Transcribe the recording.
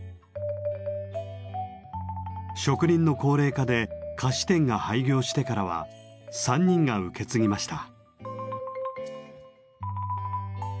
職人の高齢化で菓子店が廃業してからは３人が受け継ぎました。